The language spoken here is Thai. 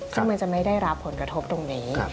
ซึ่งมันจะไม่ได้รับผลกระทบตรงนี้